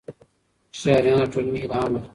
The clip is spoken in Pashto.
شاعران له ټولنې الهام اخلي.